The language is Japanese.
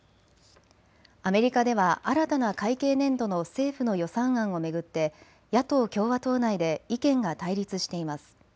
アメリカでは新たな会計年度の政府の予算案を巡って野党・共和党内で意見が対立しています。